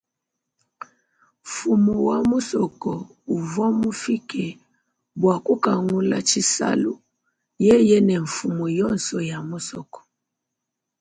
Mfumu wa musoko uvwa mufike bwa kukangula tshisalu yeye ne mfumu yonso ya musoko.